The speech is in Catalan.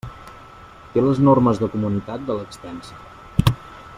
Té les normes de comunitat de l'extensa.